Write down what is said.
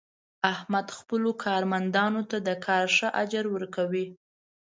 احمد خپلو کارمندانو ته د کار ښه اجر ور کوي.